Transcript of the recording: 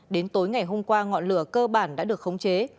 đến tối ngày hôm qua ngọn lửa cơ bản đã được khống chế